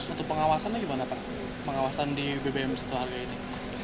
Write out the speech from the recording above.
untuk pengawasannya gimana pak pengawasan di bbm satu harga ini